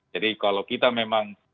jadi kalau kita memang